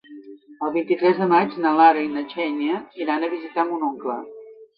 El vint-i-tres de maig na Lara i na Xènia iran a visitar mon oncle.